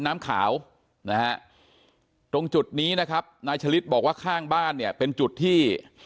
น้ำขาวนะฮะตรงจุดนี้นะครับนายฉลิดบอกว่าข้างบ้านเนี่ยเป็นจุดที่